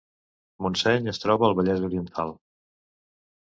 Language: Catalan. Montseny es troba al Vallès Oriental